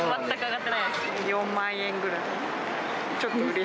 ４万円ぐらい。